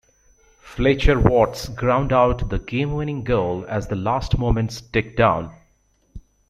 Fletcher Watts ground out the game-winning goal as the last moments ticked down.